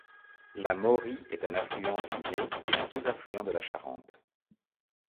La Maury est un affluent du Né et un sous-affluent de la Charente.